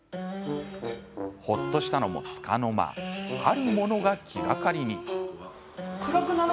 ほっとしたのもつかの間あるものが気がかりに。